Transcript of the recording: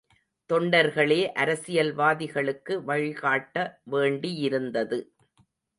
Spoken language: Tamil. தொண்டர்களே அரசியல்வாதிகளுக்கு வழிகாட்ட வேண்டியிருந்தது.